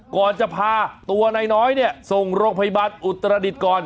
ก่อนจะพาตัวนายน้อยเนี่ยส่งโรงพยาบาลอุตรดิษฐ์ก่อน